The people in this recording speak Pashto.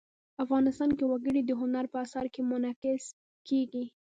افغانستان کې وګړي د هنر په اثار کې منعکس کېږي.